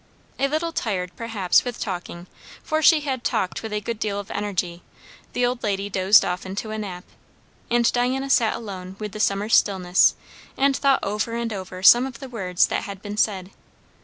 A little tired, perhaps, with talking, for she had talked with a good deal of energy, the old lady dozed off into a nap; and Diana sat alone with the summer stillness, and thought over and over some of the words that had been said.